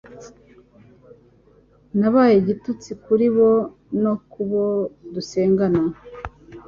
nabaye igitutsi kuri bo nokubo dusengana